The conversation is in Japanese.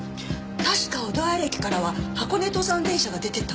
確か小田原駅からは箱根登山電車が出てたわよね？